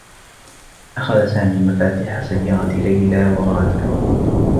أخذ سامي مفاتيح سيّارة ليلى و غادر.